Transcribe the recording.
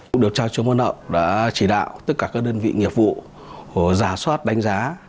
cục điều tra chống buôn lậu đã chỉ đạo tất cả các đơn vị nghiệp vụ giả soát đánh giá